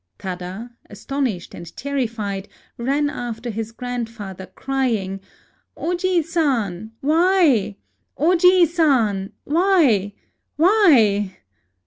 Tada, astonished and terrified, ran after his grandfather, crying, —" Ojiisan ! why ? Ojiisan ! why ?— why